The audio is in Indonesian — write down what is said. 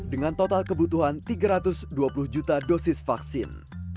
dengan total kebutuhan tiga ratus dua puluh juta dosis vaksin